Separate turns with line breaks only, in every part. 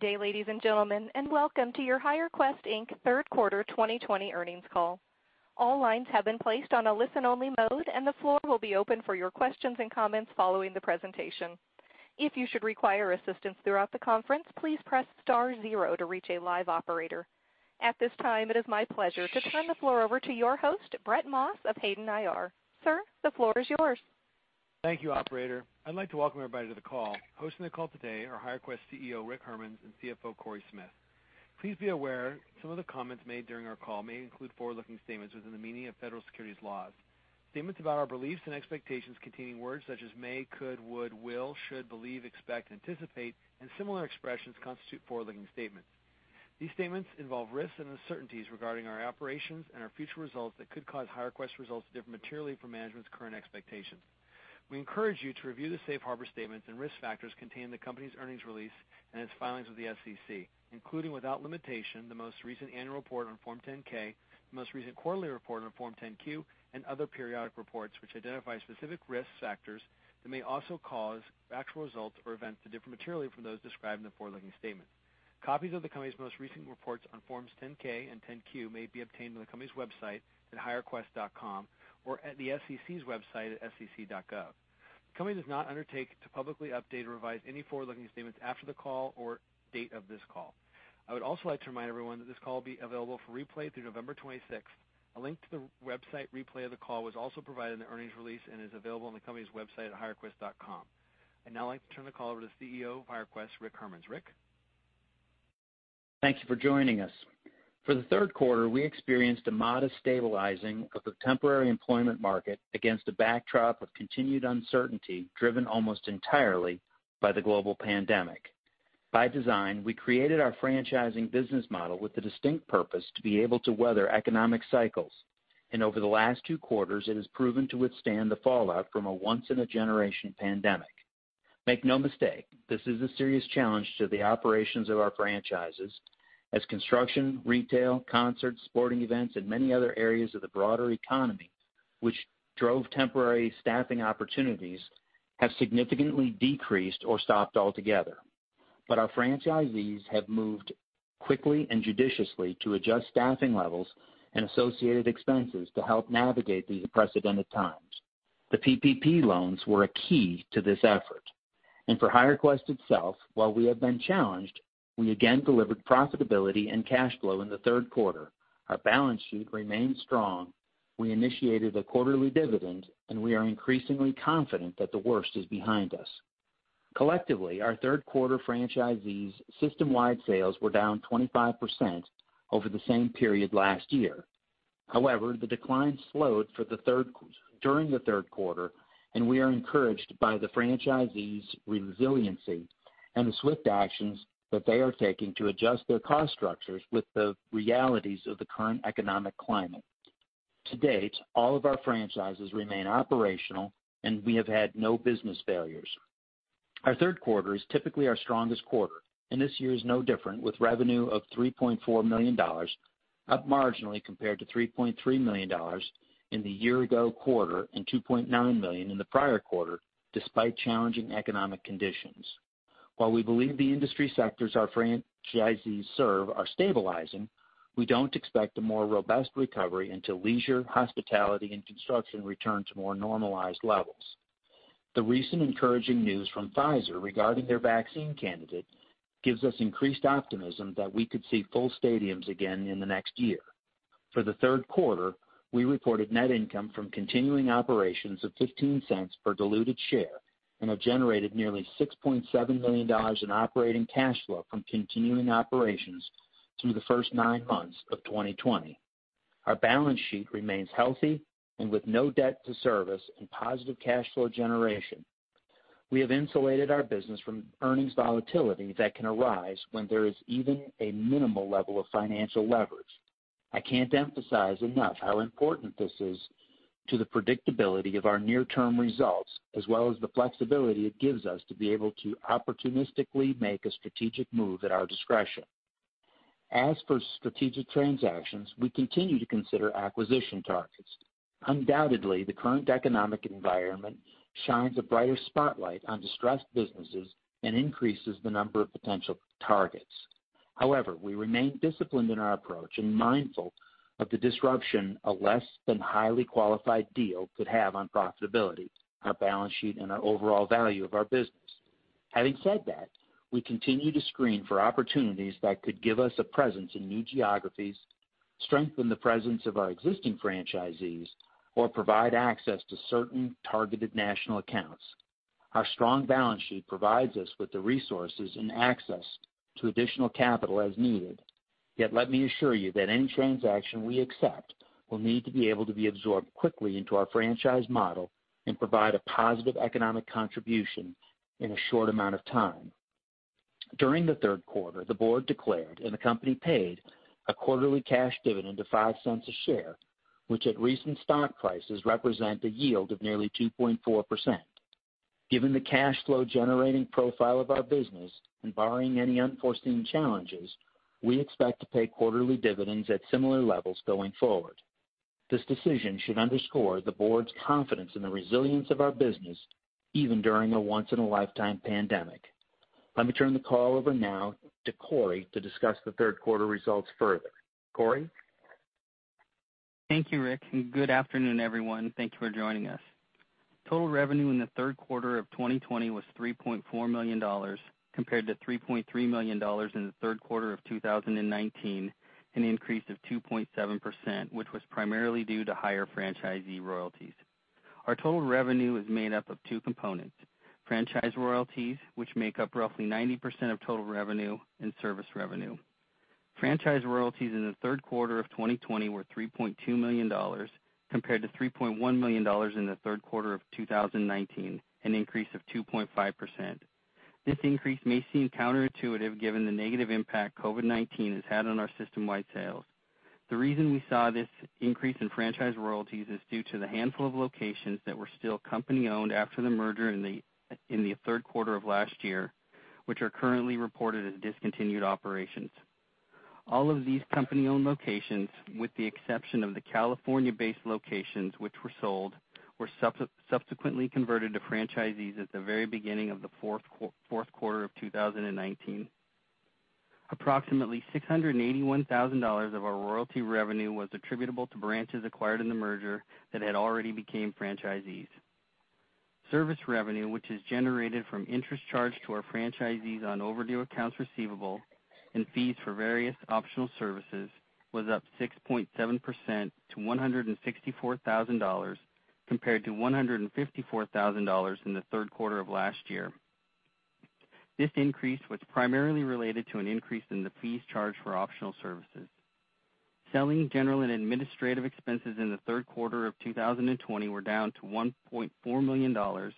Good day, ladies and gentlemen, and welcome to your HireQuest Inc. third quarter 2020 earnings call. At this time, it is my pleasure to turn the floor over to your host, Brett Maas of Hayden IR. Sir, the floor is yours.
Thank you, operator. I'd like to welcome everybody to the call. Hosting the call today are HireQuest CEO, Rick Hermanns, and CFO, Cory Smith. Please be aware some of the comments made during our call may include forward-looking statements within the meaning of federal securities laws. Statements about our beliefs and expectations containing words such as may, could, would, will, should, believe, expect, anticipate, and similar expressions constitute forward-looking statements. These statements involve risks and uncertainties regarding our operations and our future results that could cause HireQuest results to differ materially from management's current expectations. We encourage you to review the safe harbor statements and risk factors contained in the company's earnings release and its filings with the SEC, including, without limitation, the most recent annual report on Form 10-K, the most recent quarterly report on Form 10-Q, and other periodic reports, which identify specific risk factors that may also cause actual results or events to differ materially from those described in the forward-looking statement. Copies of the company's most recent reports on Forms 10-K and 10-Q may be obtained on the company's website at hirequest.com or at the SEC's website at sec.gov. The company does not undertake to publicly update or revise any forward-looking statements after the call or date of this call. I would also like to remind everyone that this call will be available for replay through November 26th. A link to the website replay of the call was also provided in the earnings release and is available on the company's website at hirequest.com. I'd now like to turn the call over to CEO of HireQuest, Rick Hermanns. Rick?
Thank you for joining us. For the third quarter, we experienced a modest stabilizing of the temporary employment market against a backdrop of continued uncertainty, driven almost entirely by the global pandemic. By design, we created our franchising business model with the distinct purpose to be able to weather economic cycles. Over the last two quarters, it has proven to withstand the fallout from a once-in-a-generation pandemic. Make no mistake, this is a serious challenge to the operations of our franchises as construction, retail, concerts, sporting events, and many other areas of the broader economy, which drove temporary staffing opportunities, have significantly decreased or stopped altogether. Our franchisees have moved quickly and judiciously to adjust staffing levels and associated expenses to help navigate these unprecedented times. The PPP loans were a key to this effort. For HireQuest itself, while we have been challenged, we again delivered profitability and cash flow in the third quarter. Our balance sheet remains strong. We initiated a quarterly dividend, and we are increasingly confident that the worst is behind us. Collectively, our third quarter franchisees' system-wide sales were down 25% over the same period last year. However, the decline slowed during the third quarter, and we are encouraged by the franchisees' resiliency and the swift actions that they are taking to adjust their cost structures with the realities of the current economic climate. To-date, all of our franchises remain operational, and we have had no business failures. Our third quarter is typically our strongest quarter, and this year is no different, with revenue of $3.4 million, up marginally compared to $3.3 million in the year-ago quarter and $2.9 million in the prior quarter, despite challenging economic conditions. While we believe the industry sectors our franchisees serve are stabilizing, we don't expect a more robust recovery until leisure, hospitality, and construction return to more normalized levels. The recent encouraging news from Pfizer regarding their vaccine candidate gives us increased optimism that we could see full stadiums again in the next year. For the third quarter, we reported net income from continuing operations of $0.15 per diluted share and have generated nearly $6.7 million in operating cash flow from continuing operations through the first nine months of 2020. Our balance sheet remains healthy and with no debt to service and positive cash flow generation. We have insulated our business from earnings volatility that can arise when there is even a minimal level of financial leverage. I can't emphasize enough how important this is to the predictability of our near-term results, as well as the flexibility it gives us to be able to opportunistically make a strategic move at our discretion. As for strategic transactions, we continue to consider acquisition targets. Undoubtedly, the current economic environment shines a brighter spotlight on distressed businesses and increases the number of potential targets. However, we remain disciplined in our approach and mindful of the disruption a less than highly qualified deal could have on profitability, our balance sheet, and our overall value of our business. Having said that, we continue to screen for opportunities that could give us a presence in new geographies, strengthen the presence of our existing franchisees, or provide access to certain targeted national accounts. Our strong balance sheet provides us with the resources and access to additional capital as needed. Let me assure you that any transaction we accept will need to be able to be absorbed quickly into our franchise model and provide a positive economic contribution in a short amount of time. During the third quarter, the board declared, and the company paid, a quarterly cash dividend of $0.05 a share, which at recent stock prices represent a yield of nearly 2.4%. Given the cash flow generating profile of our business and barring any unforeseen challenges, we expect to pay quarterly dividends at similar levels going forward. This decision should underscore the board's confidence in the resilience of our business, even during a once-in-a-lifetime pandemic. Let me turn the call over now to Cory to discuss the third quarter results further. Cory?
Thank you, Rick. Good afternoon, everyone. Thank you for joining us. Total revenue in the third quarter of 2020 was $3.4 million, compared to $3.3 million in the third quarter of 2019, an increase of 2.7%, which was primarily due to higher franchise royalties. Our total revenue is made up of two components, franchise royalties, which make up roughly 90% of total revenue, and service revenue. Franchise royalties in the third quarter of 2020 were $3.2 million, compared to $3.1 million in the third quarter of 2019, an increase of 2.5%. This increase may seem counterintuitive given the negative impact COVID-19 has had on our system-wide sales. The reason we saw this increase in franchise royalties is due to the handful of locations that were still company-owned after the merger in the third quarter of last year, which are currently reported as discontinued operations. All of these company-owned locations, with the exception of the California-based locations which were sold, were subsequently converted to franchisees at the very beginning of the fourth quarter of 2019. Approximately $681,000 of our royalty revenue was attributable to branches acquired in the merger that had already became franchisees. Service revenue, which is generated from interest charged to our franchisees on overdue accounts receivable and fees for various optional services, was up 6.7% to $164,000, compared to $154,000 in the third quarter of last year. This increase was primarily related to an increase in the fees charged for optional services. Selling, general, and administrative expenses in the third quarter of 2020 were down to $1.4 million,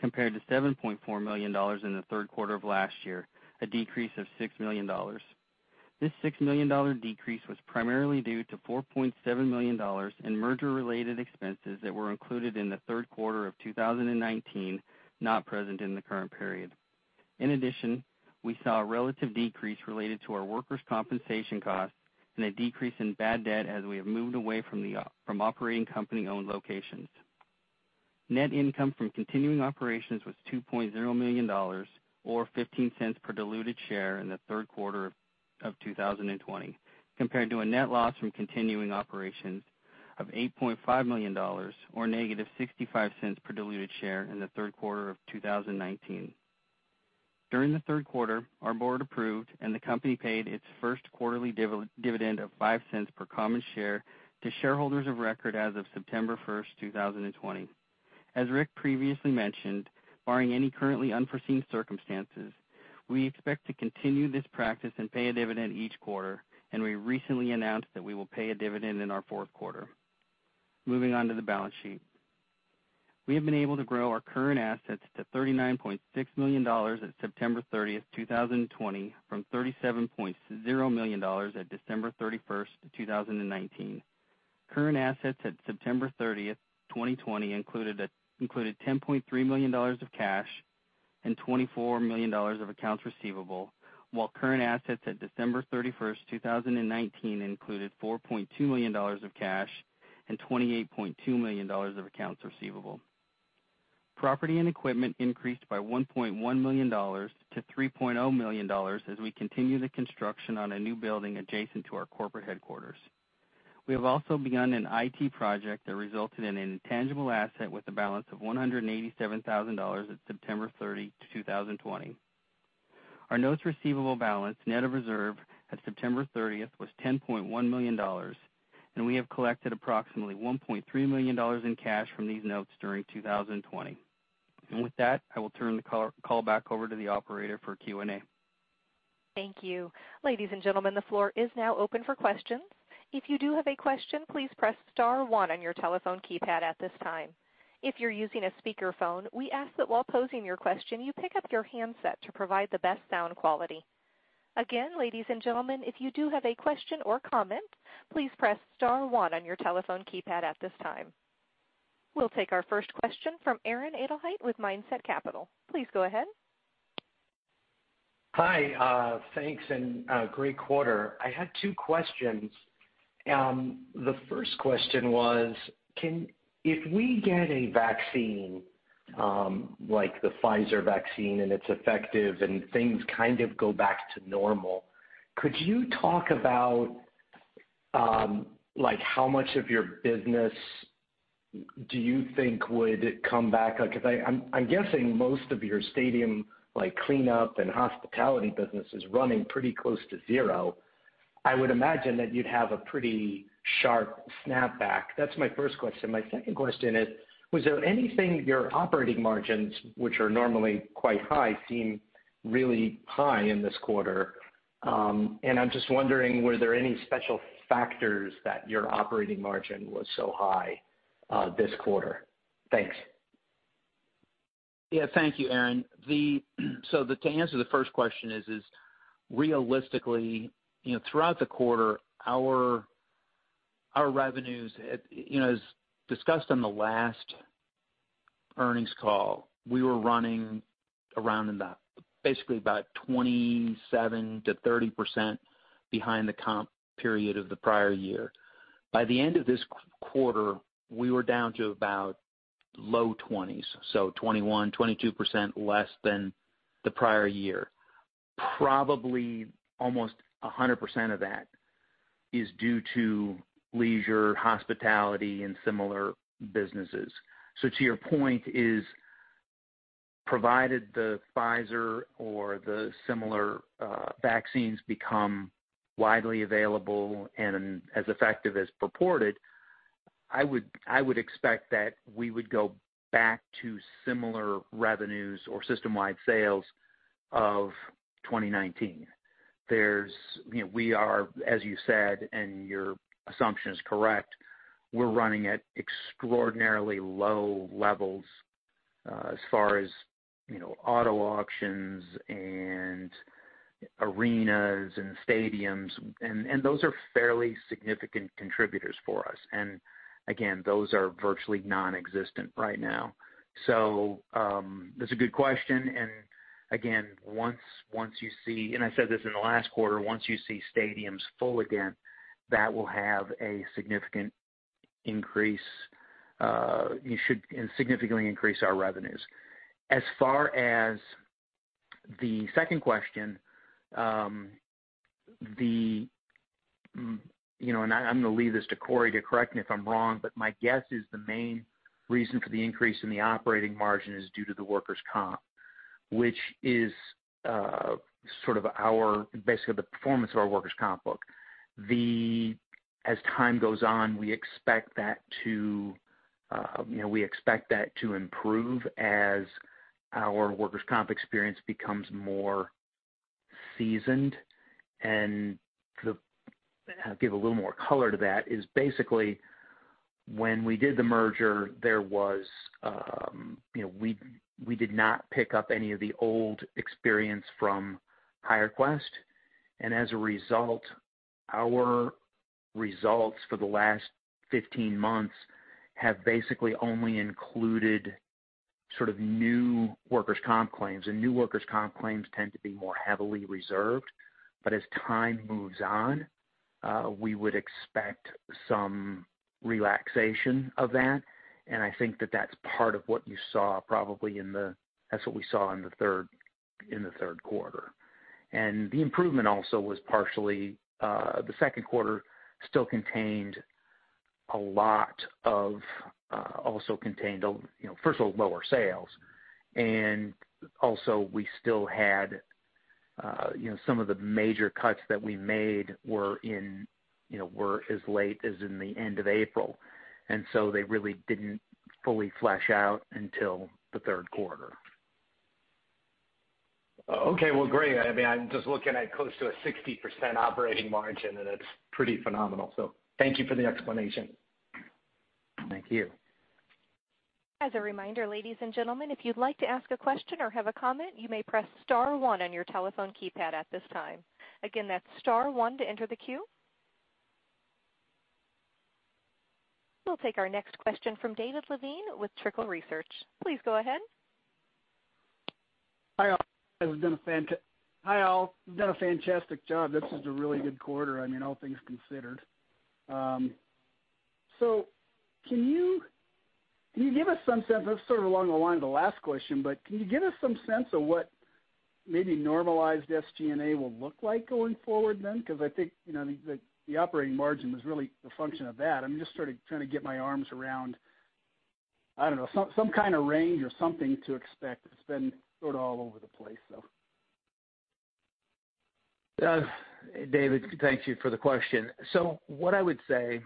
compared to $7.4 million in the third quarter of last year, a decrease of $6 million. This $6 million decrease was primarily due to $4.7 million in merger-related expenses that were included in the third quarter of 2019, not present in the current period. We saw a relative decrease related to our workers' compensation costs and a decrease in bad debt as we have moved away from operating company-owned locations. Net income from continuing operations was $2.0 million, or $0.15 per diluted share in the third quarter of 2020, compared to a net loss from continuing operations of $8.5 million, or negative $0.65 per diluted share in the third quarter of 2019. During the third quarter, our board approved and the company paid its first quarterly dividend of $0.05 per common share to shareholders of record as of September 1st, 2020. As Rick previously mentioned, barring any currently unforeseen circumstances, we expect to continue this practice and pay a dividend each quarter, and we recently announced that we will pay a dividend in our fourth quarter. Moving on to the balance sheet. We have been able to grow our current assets to $39.6 million at September 30th, 2020, from $37.0 million at December 31st, 2019. Current assets at September 30th, 2020, included $10.3 million of cash and $24 million of accounts receivable, while current assets at December 31st, 2019, included $4.2 million of cash and $28.2 million of accounts receivable. Property and equipment increased by $1.1 million to $3.0 million as we continue the construction on a new building adjacent to our corporate headquarters. We have also begun an IT project that resulted in an intangible asset with a balance of $187,000 at September 30, 2020. Our notes receivable balance, net of reserve, at September 30th was $10.1 million, and we have collected approximately $1.3 million in cash from these notes during 2020. With that, I will turn the call back over to the operator for Q&A.
Thank you. Ladies and gentlemen, the floor is now open for questions. If you do have a question, please press star one on your telephone keypad at this time. If you're using a speakerphone, we ask that while posing your question, you pick up your handset to provide the best sound quality. Again, ladies and gentlemen, if you do have a question or comment, please press star one on your telephone keypad at this time. We'll take our first question from Aaron Edelheit with Mindset Capital. Please go ahead.
Hi. Thanks, and great quarter. I had two questions. The first question was, if we get a vaccine, like the Pfizer vaccine, and it's effective and things kind of go back to normal, could you talk about how much of your business do you think would come back? Because I'm guessing most of your stadium cleanup and hospitality business is running pretty close to zero. I would imagine that you'd have a pretty sharp snapback. That's my first question. My second question is, was there anything your operating margins, which are normally quite high, seem really high in this quarter. I'm just wondering, were there any special factors that your operating margin was so high this quarter? Thanks.
Yeah. Thank you, Aaron. To answer the first question is, realistically, throughout the quarter, our revenues, as discussed on the last earnings call, we were running around basically about 27%-30% behind the comp period of the prior year. By the end of this quarter, we were down to about low 20s, so 21%, 22% less than the prior year. Probably almost 100% of that is due to leisure, hospitality, and similar businesses. To your point is, provided the Pfizer or the similar vaccines become widely available and as effective as purported, I would expect that we would go back to similar revenues or system-wide sales of 2019. We are, as you said, and your assumption is correct, we're running at extraordinarily low levels as far as auto auctions and arenas and stadiums, and those are fairly significant contributors for us. Again, those are virtually non-existent right now. That's a good question. Again, and I said this in the last quarter, once you see stadiums full again, that will have a significant increase. You should significantly increase our revenues. As far as the second question, and I'm going to leave this to Cory to correct me if I'm wrong, but my guess is the main reason for the increase in the operating margin is due to the workers' comp, which is basically the performance of our workers' comp book. As time goes on, we expect that to improve as our workers' comp experience becomes more seasoned. To give a little more color to that is basically, when we did the merger, we did not pick up any of the old experience from HireQuest, and as a result, our results for the last 15 months have basically only included sort of new workers' comp claims, and new workers' comp claims tend to be more heavily reserved. As time moves on, we would expect some relaxation of that, and I think that that's part of what you saw probably in the third quarter. The improvement also was partially, the second quarter still contained, first of all, lower sales, and also we still had some of the major cuts that we made were as late as in the end of April, and so they really didn't fully flesh out until the third quarter.
Okay. Well, great. I'm just looking at close to a 60% operating margin, and it's pretty phenomenal. Thank you for the explanation.
Thank you.
As a reminder, ladies and gentlemen, if you'd like to ask a question or have a comment, you may press star one on your telephone keypad at this time. Again, that's star one to enter the queue. We'll take our next question from David Lavigne with Trickle Research. Please go ahead.
Hi, all. You've done a fantastic job. This is a really good quarter, all things considered. Can you give us some sense, this is sort of along the line of the last question, but can you give us some sense of what maybe normalized SG&A will look like going forward then? I think the operating margin was really a function of that. I'm just sort of trying to get my arms around, I don't know, some kind of range or something to expect. It's been sort of all over the place.
David, thank you for the question. What I would say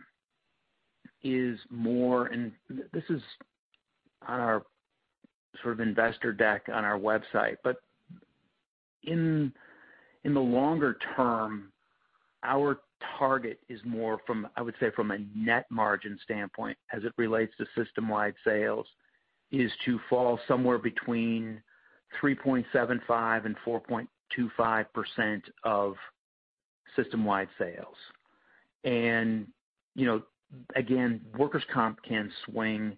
is more, and this is on our sort of investor deck on our website. In the longer term, our target is more from, I would say, from a net margin standpoint as it relates to system-wide sales, is to fall somewhere between 3.75% and 4.25% of system-wide sales. Again, workers' comp can swing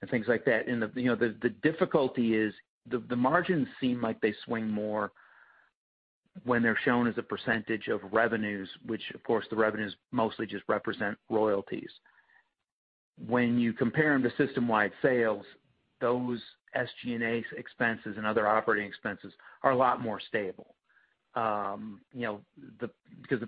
and things like that. The difficulty is the margins seem like they swing more when they're shown as a percentage of revenues, which of course, the revenues mostly just represent royalties. When you compare them to system-wide sales, those SG&A expenses and other operating expenses are a lot more stable. The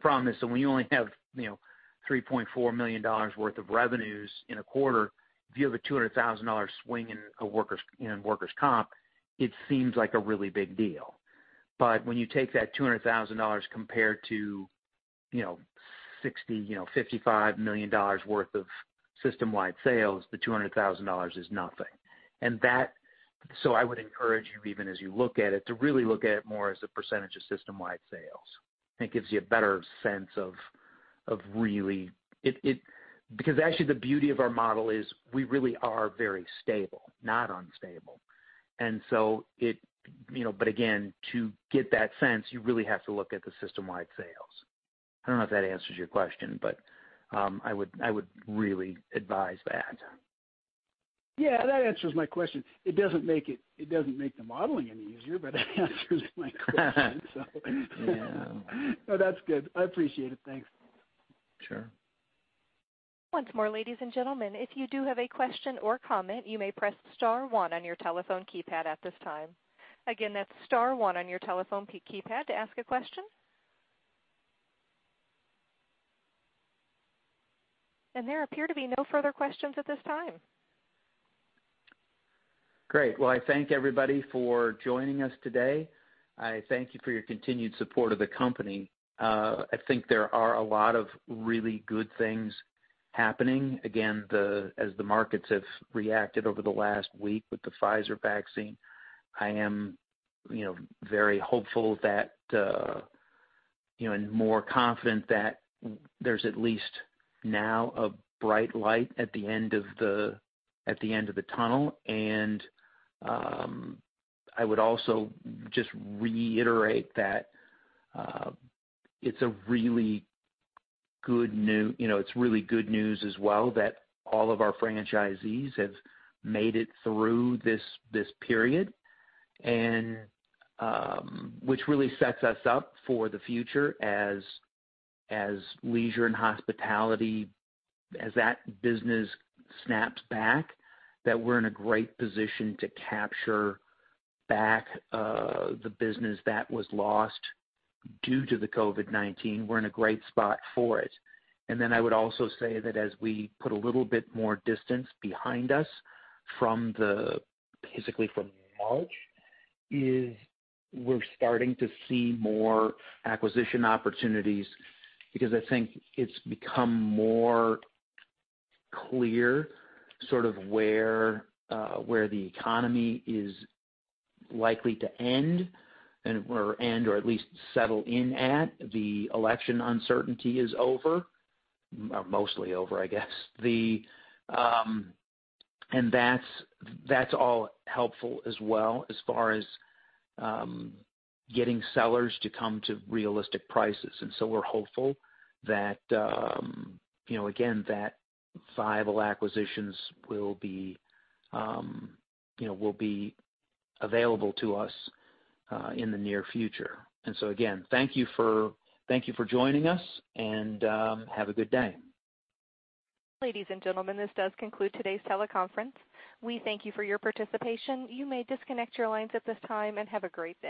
problem is that when you only have $3.4 million worth of revenues in a quarter, if you have a $200,000 swing in workers' comp, it seems like a really big deal. When you take that $200,000 compared to $55 million worth of system-wide sales, the $200,000 is nothing. I would encourage you, even as you look at it, to really look at it more as a percentage of system-wide sales. I think it gives you a better sense. Actually, the beauty of our model is we really are very stable, not unstable. To get that sense, you really have to look at the system-wide sales. I don't know if that answers your question, but I would really advise that.
Yeah, that answers my question. It doesn't make the modeling any easier, but it answers my question.
Yeah.
No, that's good. I appreciate it. Thanks.
Sure.
Once more, ladies and gentlemen, if you do have a question or comment, you may press star one on your telephone keypad at this time. Again, that's star one on your telephone keypad to ask a question. There appear to be no further questions at this time.
Great. Well, I thank everybody for joining us today. I thank you for your continued support of the company. I think there are a lot of really good things happening. Again, as the markets have reacted over the last week with the Pfizer vaccine, I am very hopeful and more confident that there's at least now a bright light at the end of the tunnel. I would also just reiterate that it's really good news as well that all of our franchisees have made it through this period, which really sets us up for the future as leisure and hospitality, as that business snaps back, that we're in a great position to capture back the business that was lost due to the COVID-19. We're in a great spot for it. I would also say that as we put a little bit more distance behind us, basically from March, we're starting to see more acquisition opportunities because I think it's become more clear where the economy is likely to end, or at least settle in at. The election uncertainty is over. Or mostly over, I guess. That's all helpful as well, as far as getting sellers to come to realistic prices. We're hopeful that viable acquisitions will be available to us in the near future. Again, thank you for joining us, and have a good day.
Ladies and gentlemen, this does conclude today's teleconference. We thank you for your participation. You may disconnect your lines at this time. Have a great day.